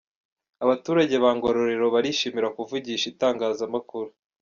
Abaturage ba Ngororero bishimira kuvugisha itangazamakuru.